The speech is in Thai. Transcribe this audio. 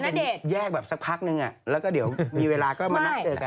เป็นแยกแบบสักพักนึงแล้วก็เดี๋ยวมีเวลาก็มานัดเจอกัน